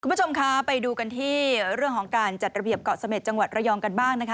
คุณผู้ชมคะไปดูกันที่เรื่องของการจัดระเบียบเกาะเสม็ดจังหวัดระยองกันบ้างนะคะ